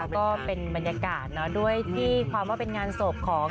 ก็เป็นบรรยากาศด้วยที่ความว่าเป็นงานศพของ